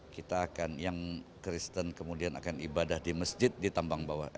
kita akan yang kristen kemudian akan ibadah di masjid di tambang bawah